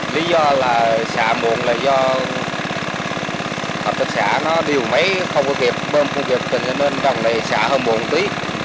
lý do là xạ muộn là do hợp tích xã nó điều mấy không có kịp bơm không kịp cho nên trong này xạ hơi muộn tí